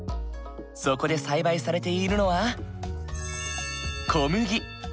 そこで栽培されているのは小麦。